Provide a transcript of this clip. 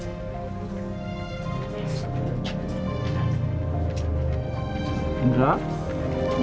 sebentar ya mas